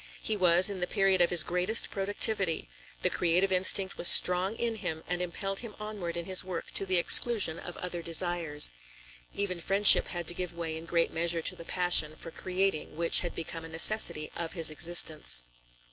He was in the period of his greatest productivity; the creative instinct was strong in him and impelled him onward in his work to the exclusion of other desires. Even friendship had to give way in great measure to the passion for creating which had become a necessity of his existence.